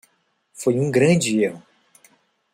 Foi um grande erro.